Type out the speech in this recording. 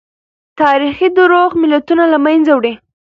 تاريخي دروغ ملتونه له منځه وړي.